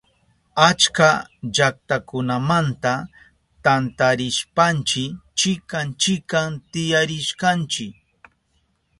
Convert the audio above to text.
Achka llaktakunamanta tantarishpanchi chikan chikan tiyarishkanchi.